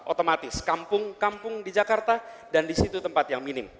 otomatis kampung kampung di jakarta dan di situ tempat yang minim